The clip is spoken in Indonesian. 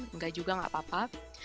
tidak juga tidak apa apa